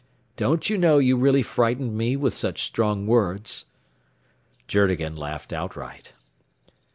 "Don't you know you really frightened me with such strong words." Journegan laughed outright.